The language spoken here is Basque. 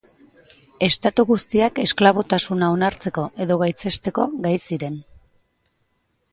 Estatu guztiak esklabotasuna onartzeko edo gaitzesteko gai ziren.